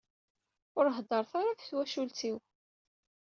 Ur heddret ara ɣef twacult-iw.